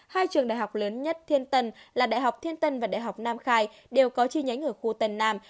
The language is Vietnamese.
hai trường đại học lớn nhất thiên tân là đại học thiên tân và đại học nam khai đều có chi nhánh ở khu tân nam